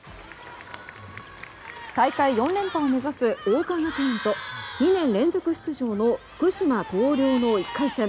大会４連覇を目指す桜花学園と２年連続出場の福島東稜の１回戦。